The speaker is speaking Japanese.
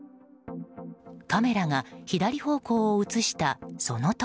カメラが左方向を映したその時。